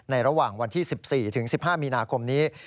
ระหว่างวันที่๑๔ถึง๑๕มีนาคมนี้